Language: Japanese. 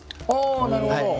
おなるほど。